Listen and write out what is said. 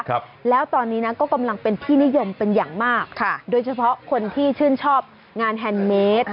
ครับแล้วตอนนี้นะก็กำลังเป็นที่นิยมเป็นอย่างมากค่ะโดยเฉพาะคนที่ชื่นชอบงานแฮนด์เมด